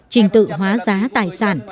trình tự hóa giá tài sản